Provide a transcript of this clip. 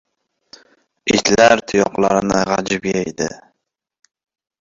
Itlar tuyoqlarni g‘ajib yeydi.